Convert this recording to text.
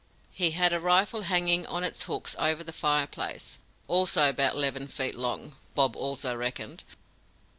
He had a rifle hanging on its hooks over the fireplace, also about eleven feet long, Bob also reckoned.